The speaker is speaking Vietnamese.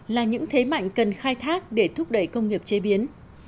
là những thế mạnh cần khai thác để thúc đẩy công nghiệp chế biến